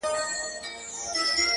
o پښې د کمبلي سره غځوه!